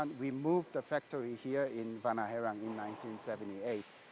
kami mulai membuat mercedes benz pada tahun seribu sembilan ratus tujuh puluh di tanjung puyok